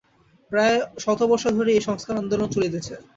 প্রায় শত বর্ষ ধরিয়া এই সংস্কার-আন্দোলন চলিতেছে।